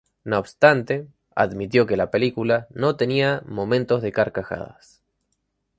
No obstante, admitió que la película no tenía momentos de carcajadas.